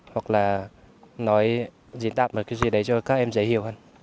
hoặc là nói diễn đạt một cái gì đấy cho các em dễ hiểu hơn